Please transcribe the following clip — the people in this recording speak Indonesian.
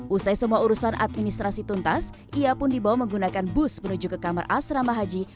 usai semua urusan administrasi tuntas ia pun dibawa menggunakan bus menuju ke kamar asrama haji